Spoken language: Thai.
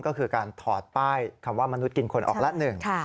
ก็คือการถอดป้ายคำว่ามนุษย์กินคนออกละหนึ่ง